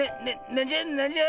なんじゃなんじゃ？